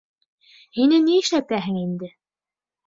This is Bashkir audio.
Һине ни эшләтәһең инде?